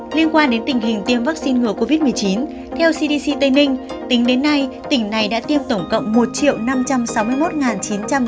liên quan đến tình hình tỉnh tây ninh tỉnh tây ninh đang phong tỏa hai trăm hai mươi ba khu vực liên quan đến các ca f